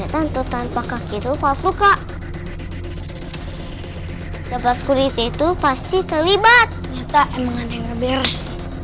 tonton pak kaki itu palsu kak dapat kulit itu pasti terlibat nyata emang ada yang ngebers